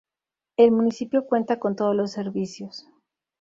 El municipio cuenta con todos los servicios.